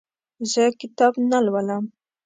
زه کتاب نه لولم.